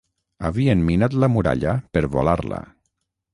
Havien minat la muralla per volar-la.